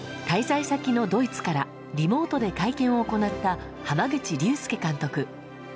滞在先のドイツからリモートで会見を行った濱口竜介監督。